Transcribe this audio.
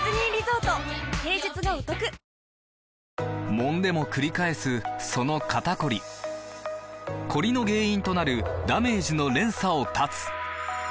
もんでもくり返すその肩こりコリの原因となるダメージの連鎖を断つ！